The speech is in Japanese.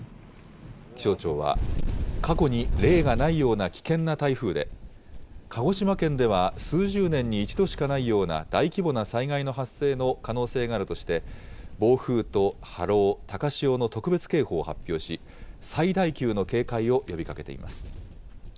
気象庁は、過去に例がないような危険な台風で、鹿児島県では数十年に一度しかないような大規模な災害の発生の可能性があるとして、暴風と波浪、高潮の特別警報を発表し、最大級の警戒を呼びかけています。